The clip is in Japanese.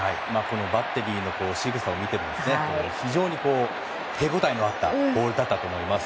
バッテリーのしぐさを見ても非常に手応えのあったボールだったと思います。